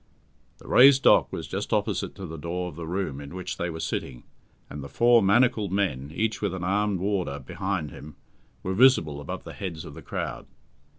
The raised dock was just opposite to the door of the room in which they were sitting, and the four manacled men, each with an armed warder behind him, were visible above the heads of the crowd.